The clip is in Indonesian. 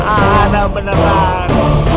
ah tidak beneran